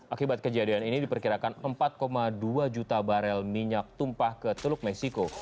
akibat kejadian ini diperkirakan empat dua juta barel minyak tumpah ke teluk meksiko